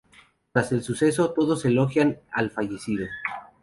Tras el suceso, todos elogian al fallecido.